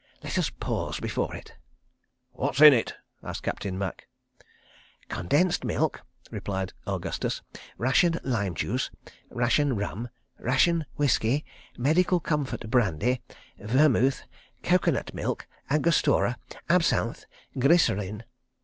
... Let us pause before it. ..." "What's in it?" asked Captain Macke. "Condensed milk," replied Augustus, "ration lime juice, ration rum, ration whisky, medical comfort brandy, vermuth, coco nut milk, angostura, absinthe, glycerine.